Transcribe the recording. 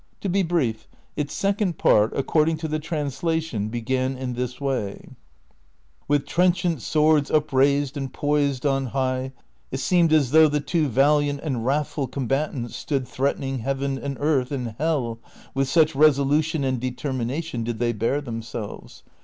To be brief, its Second Part, according to the translation, Ijegan in this way : With trenchant swords upraised and poised on high, it seemed as though the two valiant and wrathful combatants stood threatening heaven, and earth, and hell, with such resolu tion and determination did they bear themselves.